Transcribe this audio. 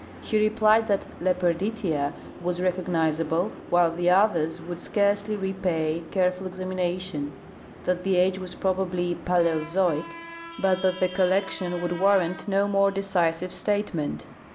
He replied that LepercUtia was recognizable, while the others would scarcely repay careful examination ; that the age was probably Paleozoic, but that the collection would war rant no more decisive statement.